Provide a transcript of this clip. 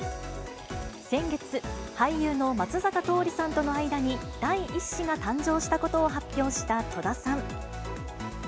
先月、俳優の松坂桃李さんとの間に第１子が誕生したことを発表した戸田さん。